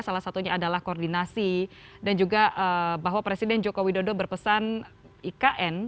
salah satunya adalah koordinasi dan juga bahwa presiden joko widodo berpesan ikn